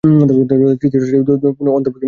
তৃতীয় টেস্টে দলে পুনরায় অন্তর্ভূক্তি ঘটে তার।